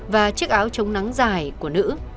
và chiếc áo chống nắng dài của nữ